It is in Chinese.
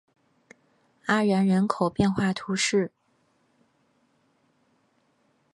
阿然人口变化图示